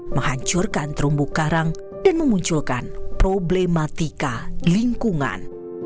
menghancurkan terumbu karang dan memunculkan problematika lingkungan